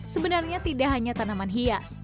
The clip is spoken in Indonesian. sebenarnya tidak hanya tanaman hias